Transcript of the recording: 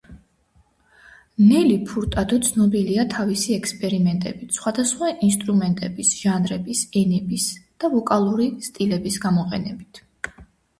ნელი ფურტადო ცნობილია თავისი ექსპერიმენტებით სხვადასხვა ინსტრუმენტების, ჟანრების, ენების და ვოკალური სტილების გამოყენებით.